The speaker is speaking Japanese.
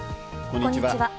こんにちは。